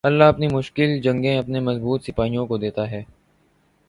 اللہ اپنی مشکل جنگیں اپنے مضبوط سپاہیوں کو دیتا ہے